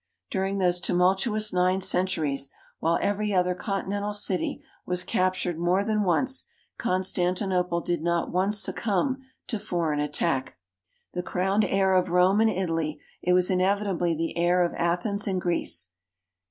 During tho.se tumultuous nine cen turies, while every other continental city was captured more than once, Constantinople did not once succumb to foreign attack. The crowned heir of Rome and Italy, it was inevitably the heir of Athens and Greece.